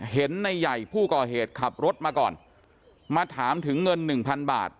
เห็นในใหญ่ผู้ก่อเหตุขับรถมาก่อนมาถามถึงเงินหนึ่งพันบาท